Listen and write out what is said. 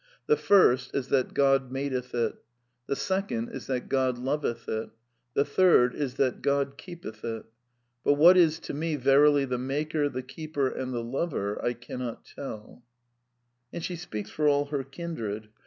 The first is that God madeth it; the second is that God loveth it; the third is that God keepeth it. But what is to me verily the Maker, the Keeper, and the Lover, I cannot tell." (Revelations of Divine Love, p. 10.) ^^p A nd she speaks for all her kindred.